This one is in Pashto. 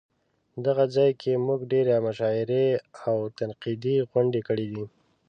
دغه ځای کې مونږ ډېرې مشاعرې او تنقیدي غونډې کړې دي.